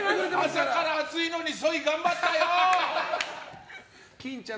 朝から暑いのにソイ、頑張ったよ！